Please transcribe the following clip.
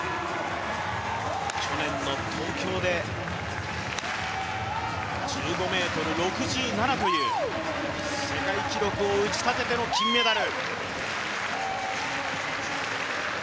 去年の東京で、１５ｍ６７という世界記録を打ち立てての金メダル。